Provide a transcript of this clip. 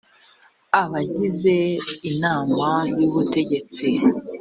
abagize inama y’ ubutegetsi